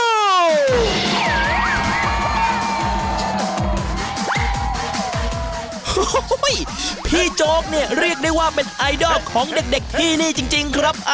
โอ้โหพี่โจ๊กเนี่ยเรียกได้ว่าเป็นไอดอลของเด็กที่นี่จริงครับ